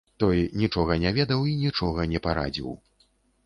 Той нічога не ведаў і нічога не парадзіў.